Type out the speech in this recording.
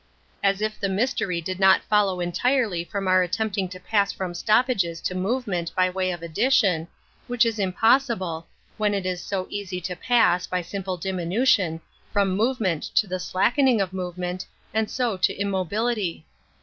As if the mystery did not follow entirely from our attempting to pass from stoppages to movement by way of addition, which is im possible, when it is so easy to pass, by simple diminution, from movement to the slackening of movement, and so to im mobility